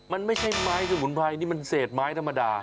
มันไม่ใช่ไม้สมุนไพรนี่มันเศษไม้ธรรมดา